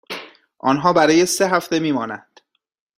آنها برای سه هفته می مانند.